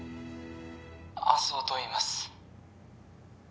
麻生といいます